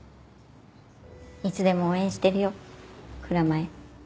いつでも応援してるよ蔵前。